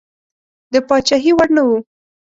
د پاچهي وړ نه وو.